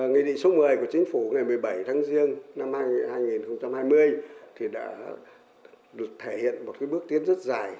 nghị định số một mươi của chính phủ ngày một mươi bảy tháng riêng năm hai nghìn hai mươi thì đã được thể hiện một bước tiến rất dài